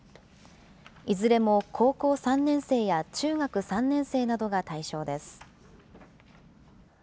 いずれも高校３年生や中学３年生などが対象です。